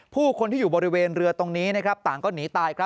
ผู้คนที่อยู่บริเวณเรือตรงนี้ต่างก็หนีตาย